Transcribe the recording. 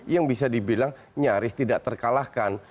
yang bisa dibilang nyaris tidak terkalahkan